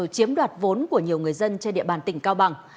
chiếm đoạt vốn của nhiều người dân trên địa bàn tỉnh cao bằng